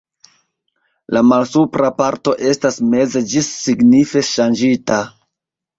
La malsupra parto estas meze ĝis signife ŝanĝita.